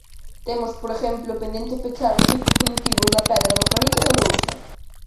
Temos, por exemplo, pendente pechar os ciclos produtivos da pedra, do granito, da lousa.